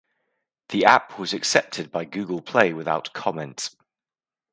The app was accepted by Google Play without comment.